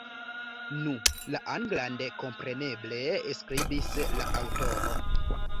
Nu, la anglan, kompreneble, skribis la aŭtoro.